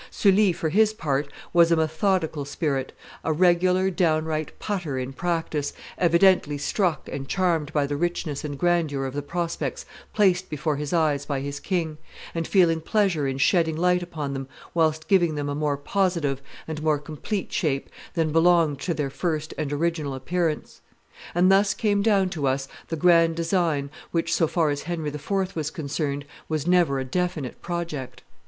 Sully, for his part was a methodical spirit, a regular downright putter in practice, evidently struck and charmed by the richness and grandeur of the prospects placed before his eyes by his king, and feeling pleasure in shedding light upon them whilst giving them a more positive and more complete shape than belonged to their first and original appearance. And thus came down to us the grand design, which, so far as Henry IV. was concerned, was never a definite project.